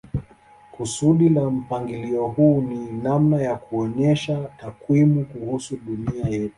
Kusudi la mpangilio huu ni namna ya kuonyesha takwimu kuhusu dunia yetu.